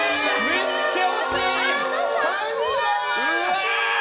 めっちゃ惜しい！